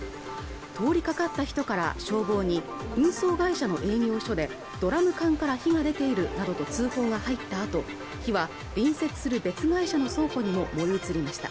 通りかかった人から消防に運送会社の営業所でドラム缶から火が出ているなどと通報が入ったあと火は隣接する別会社の倉庫にも燃え移りました